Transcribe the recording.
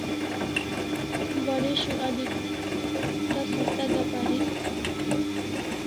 Waresho abi tasa tada parik